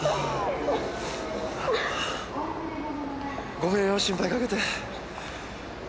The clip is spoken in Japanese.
ごめんよ心配かけて。